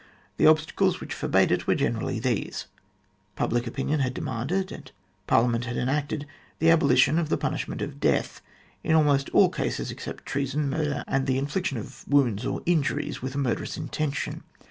The obstacles which forbade it were generally these : public opinion had demanded, and Parlia ment had enacted, the abolition of the punishment of death in almost all cases, except treason, murder, and the infliction of wounds or injuries with a murderous intention.